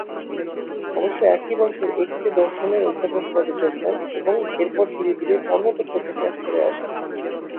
অবশ্য একই বছর এক্স-এ দর্শনের অধ্যাপক পদে যোগ দেন এবং এরপর ধীরে ধীরে ধর্মতত্ত্ব থেকে সরে আসেন।